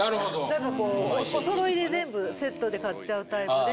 何かこうお揃いで全部セットで買っちゃうタイプで。